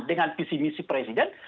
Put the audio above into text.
dengan visi misi presiden